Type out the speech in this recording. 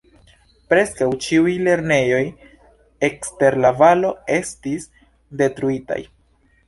Preskaŭ ĉiuj lernejoj ekster la valo estis detruitaj.